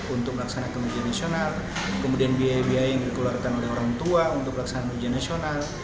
untuk melaksanakan ujian nasional kemudian biaya biaya yang dikeluarkan oleh orang tua untuk pelaksanaan ujian nasional